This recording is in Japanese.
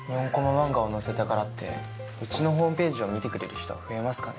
漫画を載せたからってうちのホームページを見てくれる人増えますかね？